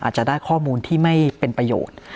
อาจจะได้ข้อมูลที่ไม่เป็นประโยชน์